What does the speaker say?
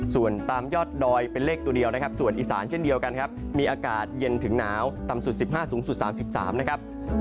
ส่วนตามยอดดอยเป็นเลขตัวเดียวนะครับส่วนอีสานเช่นเดียวกันครับมีอากาศเย็นถึงหนาวต่ำสุด๑๕สูงสุด๓๓นะครับ